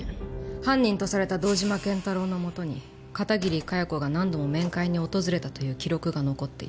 犯人とされた堂島健太郎のもとに片桐佳代子が何度も面会に訪れたという記録が残っていた。